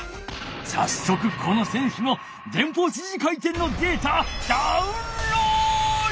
さっそくこの選手の前方支持回転のデータダウンロード！